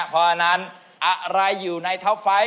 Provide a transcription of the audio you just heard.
เพราะฉะนั้นอะไรอยู่ในเทาไฟ